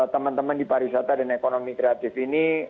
teman teman di pariwisata dan ekonomi kreatif ini